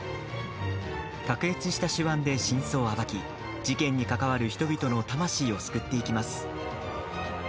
卓越した手腕で真相を暴き事件に関わる人々の魂を救っていきます。